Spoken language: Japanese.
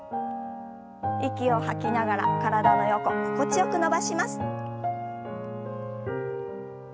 息を吐きながら体の横心地よく伸ばします。